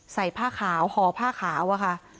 สาหกผ้าขาวนะคะ